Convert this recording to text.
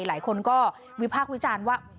หลายคนก็วิพากษ์วิจารณ์ว่า